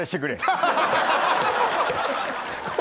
ハハハハハ！